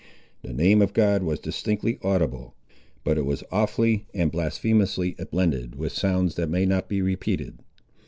The name of God was distinctly audible, but it was awfully and blasphemously blended with sounds that may not be repeated.